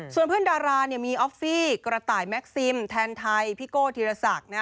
ส่วนเพื่อนดารามีออฟฟี่กระต่ายแม็กซิมแทนไทยพี่โก้ธีรศักดิ์